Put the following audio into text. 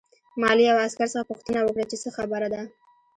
ما له یوه عسکر څخه پوښتنه وکړه چې څه خبره ده